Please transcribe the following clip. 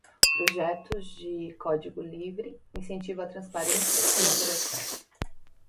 Projetos de código livre incentivam a transparência e colaboração.